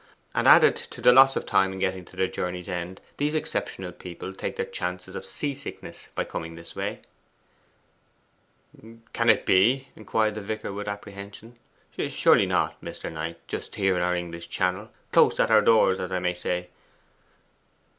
And added to the loss of time in getting to their journey's end, these exceptional people take their chance of sea sickness by coming this way.' 'Can it be?' inquired the vicar with apprehension. 'Surely not, Mr. Knight, just here in our English Channel close at our doors, as I may say.